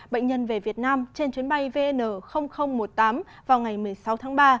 bệnh nhân về việt nam trên chuyến bay vn năm mươi bốn